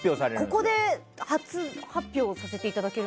ここで初発表させていただくと。